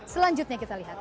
selanjutnya kita lihat